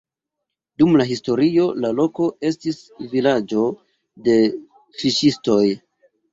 Dum la historio la loko estis vilaĝo de fiŝistoj.